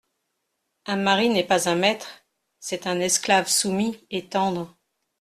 Un mari n’est pas un maître… c’est un esclave soumis et tendre…